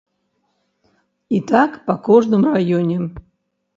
І так па кожным раёне.